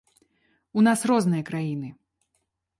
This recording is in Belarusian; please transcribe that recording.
У нас розныя краіны.